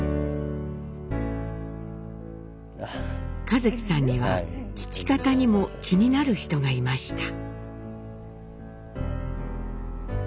一輝さんには父方にも気になる人がいました。